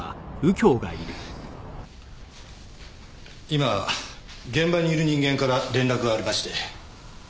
今現場にいる人間から連絡がありまして。